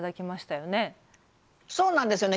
そうなんですよね